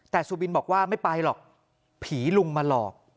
แต่สุบินบอกว่าไม่ไปหรอกผีลุงมาหลอก